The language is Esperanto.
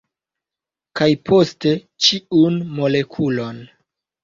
Kaj poste ĉiun molekulon.